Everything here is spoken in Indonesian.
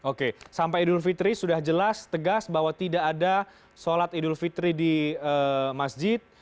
oke sampai idul fitri sudah jelas tegas bahwa tidak ada sholat idul fitri di masjid